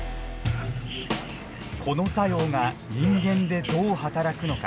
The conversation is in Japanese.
この作用が人間でどう働くのか。